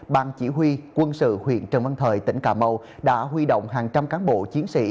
ban chỉ huy quân sự huyện trần văn thời tỉnh cà mau đã huy động hàng trăm cán bộ chiến sĩ